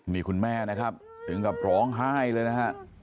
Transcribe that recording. นี่คุณแม่นะครับถึงกับร้องไห้เลยนะฮะ